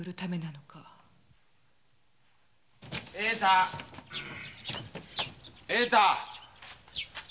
栄太栄太。